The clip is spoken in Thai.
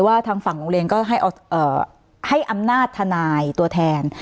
ทางฝั่งโรงเรียนก็ให้อำนาจทนายตัวแทน